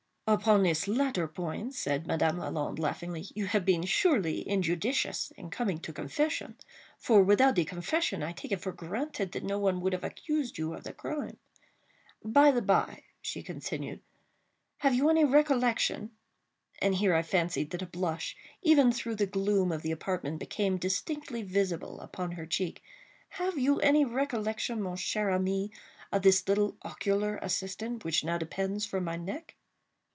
"Upon this latter point," said Madame Lalande, laughingly, "you have been surely injudicious in coming to confession; for, without the confession, I take it for granted that no one would have accused you of the crime. By the by," she continued, "have you any recollection—" and here I fancied that a blush, even through the gloom of the apartment, became distinctly visible upon her cheek—"have you any recollection, mon cher ami, of this little ocular assistant, which now depends from my neck?"